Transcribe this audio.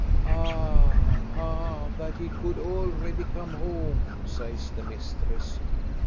"Ah! ha! that he could already come home," sighs the mistress.